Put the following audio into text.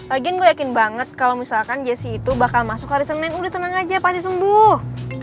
lagian gue yakin banget kalau misalkan jessi itu bakal masuk hari senin udah tenang aja pasti sembuh